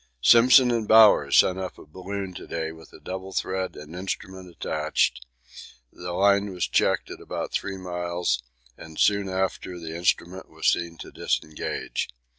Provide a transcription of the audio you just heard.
Simpson and Bowers sent up a balloon to day with a double thread and instrument attached; the line was checked at about 3 miles, and soon after the instrument was seen to disengage.